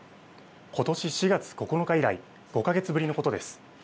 ことし４月９日以来、５か月ぶりのことです。